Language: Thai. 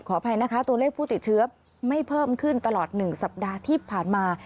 อภัยนะคะตัวเลขผู้ติดเชื้อไม่เพิ่มขึ้นตลอด๑สัปดาห์ที่ผ่านมา